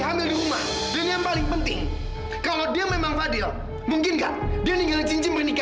sampai jumpa di video selanjutnya